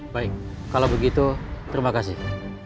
baik kalau begitu terima kasih